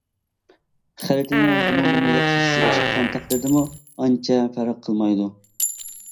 خەرىتىنى بۇنىڭدىنمۇ ياخشى سىزىپ چىققان تەقدىردىمۇ ئانچە پەرق قىلمايدۇ.